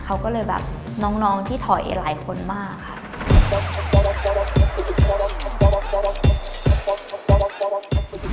เขาก็เลยแบบน้องที่ถอยหลายคนมากค่ะ